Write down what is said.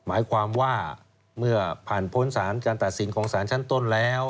หมายความว่าเมื่อผ่านพ้นสารการตัดสินของสารชั้นต้นแล้ว